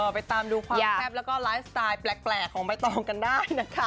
ไปตามดูความแซ่บแล้วก็ไลฟ์สไตล์แปลกของใบตองกันได้นะคะ